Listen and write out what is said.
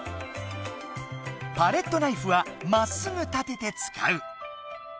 パレットナイフはまっすぐ立てて使う。